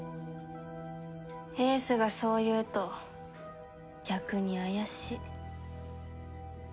英寿がそう言うと逆に怪しい。